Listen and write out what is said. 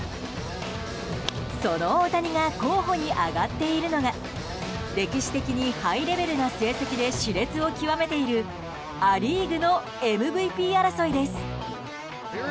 その大谷が候補に挙がっているのが歴史的にハイレベルな成績で熾烈を極めているア・リーグのＭＶＰ争いです。